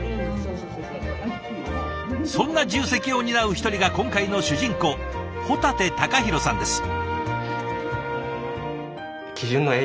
そんな重責を担う一人が今回の主人公保立貴博さんです。